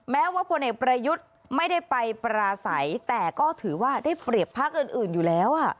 แม้ว่าพลเอกประยุทธ์ไม่ได้ไปปราศัยแต่ก็ถือว่าได้เปรียบพักอื่นอยู่แล้ว